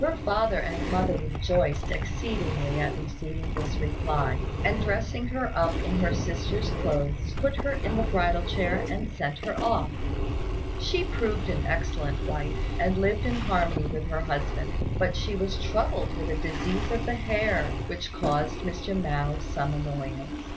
Her father and mother rejoiced exceedingly at receiving this reply; and dressing her up in her sister's clothes, put her in the bridal chair and sent her off. She proved an excellent wife, and lived in harmony with her husband; but she was troubled with a disease of the hair, which caused Mr. Mao some annoyance.